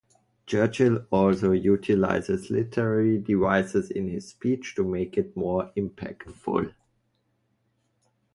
Churchill also utilizes literary devices in his speech to make it more impactful.